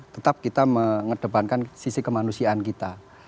tetap kita mengedepankan sisi kemanusiaan kita